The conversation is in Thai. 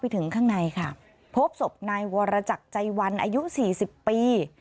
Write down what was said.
ถึงข้างในค่ะพบศพนายวรจักรใจวันอายุ๔๐ปี